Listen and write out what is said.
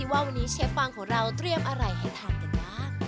วันนี้ขอบคุณมากครับผม